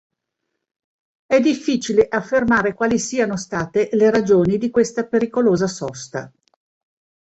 È difficile affermare quali siano state le ragioni di questa pericolosa sosta.